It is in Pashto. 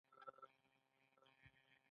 هغه د موزون ژوند پر مهال د مینې خبرې وکړې.